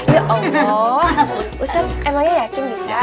ya allah usan emangnya yakin bisa